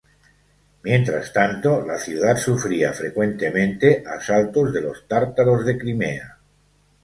Mientras tanto, la ciudad sufría frecuentemente asaltos de los tártaros de Crimea.